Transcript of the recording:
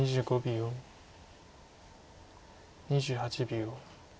２８秒。